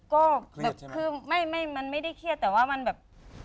ก็คือมันไม่ได้เครียดแต่ว่ามันแบบ